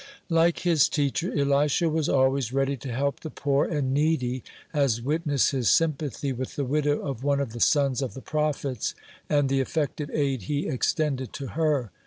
(5) Like his teacher, Elisha was always ready to help the poor and needy, as witness his sympathy with the widow of one of the sons of the prophets, and the effective aid he extended to her.